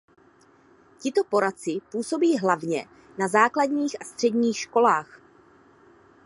Tito poradci působí hlavně na základních a středních školách.